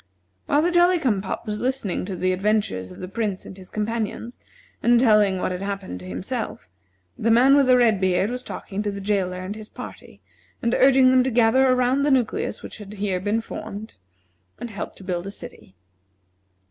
While the Jolly cum pop was listening to the adventures of the Prince and his companions, and telling what had happened to himself, the man with the red beard was talking to the jailer and his party, and urging them to gather around the nucleus which had been here formed, and help to build a city.